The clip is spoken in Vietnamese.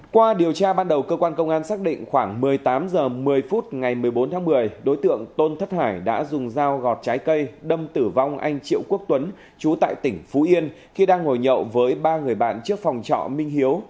qua điều tra ban đầu cơ quan công an xác định khoảng một mươi tám h một mươi phút ngày một mươi bốn tháng một mươi đối tượng tôn thất hải đã dùng dao gọt trái cây đâm tử vong anh triệu quốc tuấn chú tại tỉnh phú yên khi đang ngồi nhậu với ba người bạn trước phòng trọ minh hiếu